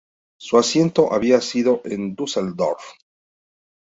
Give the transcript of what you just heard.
Su asiento había sido en Düsseldorf.